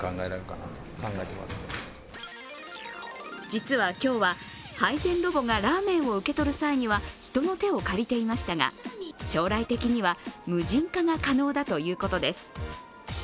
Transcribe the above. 実は今日は、配膳ロボがラーメンを受け取る際には人の手を借りていましたが、将来的には無人化が可能だということです。